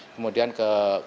kemudian kegiatan berikutnya